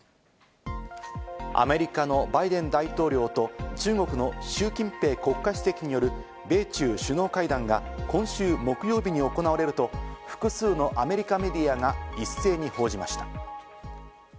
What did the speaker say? アメリカのバイデン大統領と中国のシュウ・キンペイ国家主席による米中首脳会談が今週木曜日に行われると複数のアメリカメディアが一斉に報じました。